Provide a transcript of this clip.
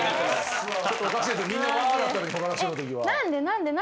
何で？